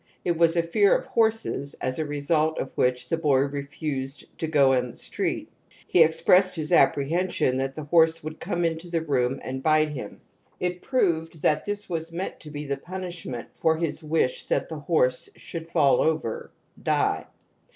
It was a fear of horses as a result of which the boy refused to go on the street. He expressed his apprehen sion that the horse would come intathe room and bite him. It proves that this was meant to e the punishment for his wish that the horse hould fall over (die).